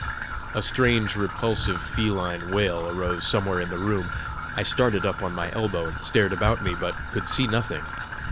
A strange, repulsive feline wail arose somewhere in the room. I started up on my elbow and stared about me, but could see nothing.